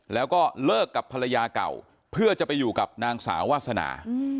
แล้วก็เลิกกับภรรยาเก่าเพื่อจะไปอยู่กับนางสาววาสนา